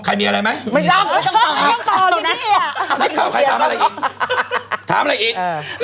มันเว้นได้ดีใจจริง